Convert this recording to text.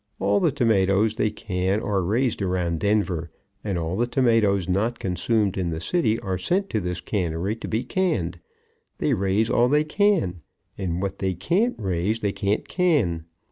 All the tomatoes they can are raised around Denver, and all the tomatoes not consumed in the city are sent to this cannery to be canned. They raise all they can and what they can't raise they can't can.